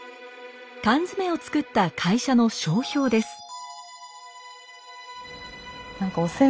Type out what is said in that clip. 缶詰を作った会社の商標です。